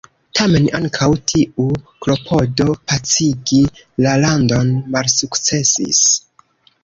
Tamen ankaŭ tiu klopodo pacigi la landon malsukcesis.